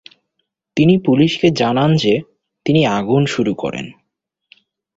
তিনি পুলিশকে জানান যে তিনি আগুন শুরু করেন।